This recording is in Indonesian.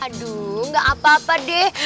aduh gak apa apa deh